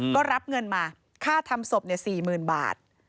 ก็รับเงินมาค่าทำศพ๔๐๐๐บาท